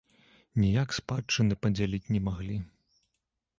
Ніяк спадчыны падзяліць не маглі.